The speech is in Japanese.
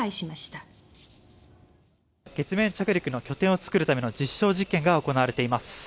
「ここでは月面着陸の拠点を作るための実証実験が行われています